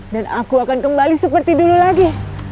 dan aku akan kembali seperti dulu lagi